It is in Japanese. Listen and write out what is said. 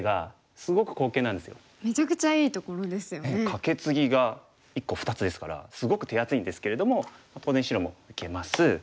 カケツギが１個２つですからすごく手厚いんですけれども当然白も受けます。